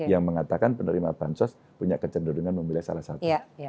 yang mengatakan penerima bansos punya kecenderungan memilih salah satu